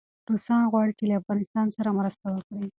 روسان غواړي چي له افغانستان سره مرسته وکړي.